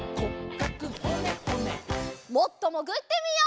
もっともぐってみよう！